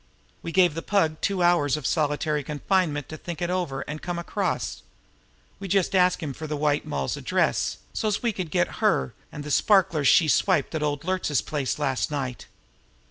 We gave the Pug two hours of solitary confinement to think it over and come across. We just asked him for the White Moll's address, so's we could get her and the sparklers she swiped at Old Luertz's place last night."